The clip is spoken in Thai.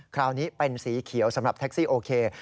คราวนี้เป็นสีเขียวสำหรับแท็กซี่โอเค